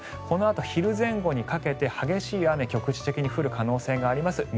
このあと昼前後にかけて激しい雨局地的に降る可能性があります。